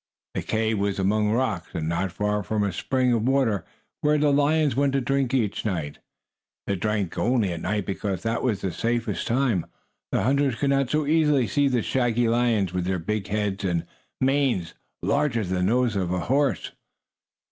The cave was among the rocks, and not far from a spring of water where the lions went to drink each night. They drank only at night because that was the safest time; the hunters could not so easily see the shaggy lions with their big heads, and manes larger than those of a horse.